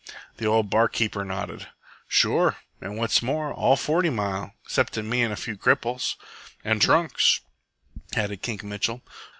The old bar keeper nodded. "Sure, an' what's more, all Forty Mile, exceptin' me an' a few cripples." "And drunks," added Kink Mitchell.